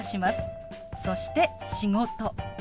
そして「仕事」。